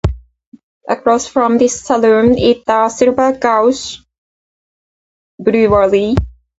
Across from this saloon is the Silver Gulch Brewery.